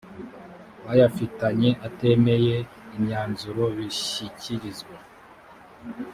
bayafitanye atemeye imyanzuro bishyikirizwa